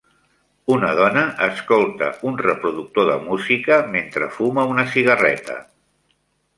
Una dona escolta un reproductor de música mentre fuma una cigarreta.